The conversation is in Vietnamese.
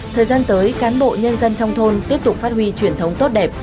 thời gian tới cán bộ nhân dân trong thôn tiếp tục phát huy truyền thống tốt đẹp